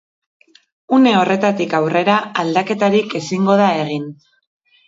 Une horretatik aurrera aldaketarik ezingo da egin.